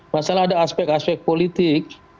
masalah ada aspek aspek politik